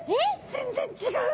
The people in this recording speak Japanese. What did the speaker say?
全然違う。